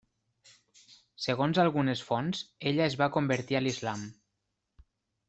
Segons algunes fonts, ella es va convertir a l'Islam.